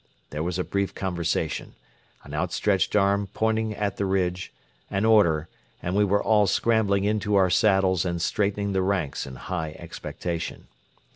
There was a brief conversation an outstretched arm pointing at the ridge an order, and we were all scrambling into our saddles and straightening the ranks in high expectation.